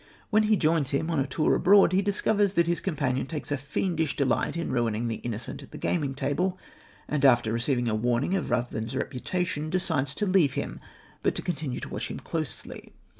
When he joins him on a tour abroad he discovers that his companion takes a fiendish delight in ruining the innocent at the gaming table; and, after receiving a warning of Ruthven's reputation, decides to leave him, but to continue to watch him closely.